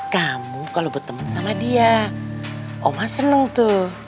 kamu kalau berteman sama dia oma senang tuh